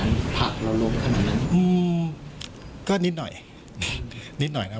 มันผักเราล้มขนาดนั้นอืมก็นิดหน่อยนิดหน่อยนะครับ